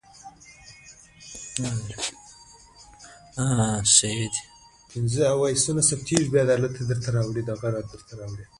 نو له ځان سره فکر کوي ،